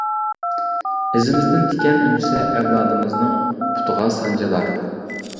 ئىزىمىزدىن تىكەن ئۈنسە ئەۋلادىمىزنىڭ پۇتىغا سانجىلار!